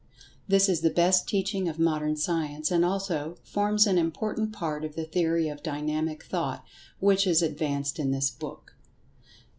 This is the best teaching of Modern Science, and also, forms an important part of the Theory of Dynamic Thought which is advanced in this book.